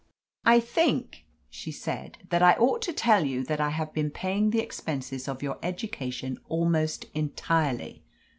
"I think," she said, "that I ought to tell you that I have been paying the expenses of your education almost entirely.